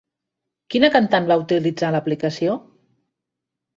Quina cantant va utilitzar l'aplicació?